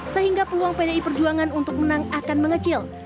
sehingga peluang pdi perjuangan untuk menang akan mengecil